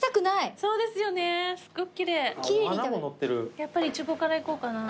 やっぱりイチゴからいこうかな。